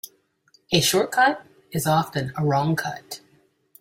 A short cut is often a wrong cut.